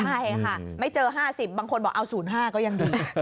ใช่ค่ะไม่เจอ๕๐บางคนบอกเอา๐๕ก็ยังดี